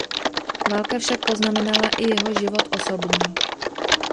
Válka však poznamenala i jeho život osobní.